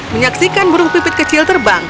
menyaksikan burung pipit kecil terbang